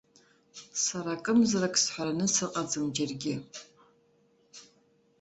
Сара акымзарак сҳәараны сыҟаӡам џьаргьы!